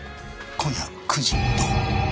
今夜９時。